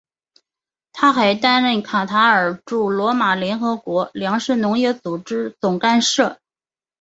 他还担任卡塔尔驻罗马联合国粮食农业组织总干事。